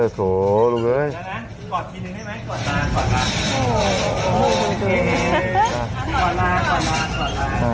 โอ้โฮโอ้โฮโอ้โฮ